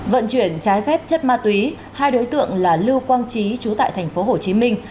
vận chuyển trái phép chất ma túy hai đối tượng là lưu quang trí chú tại thành phố hồ chí minh